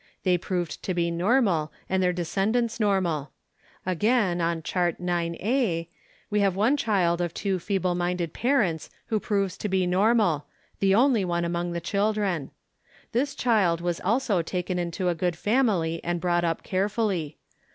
They proved to be normal and their descendants normal. Again, on Chart IX a, we have one child of two feeble minded parents who proves to be normal the only one among the children. This child was also taken into a good family and brought up carefully.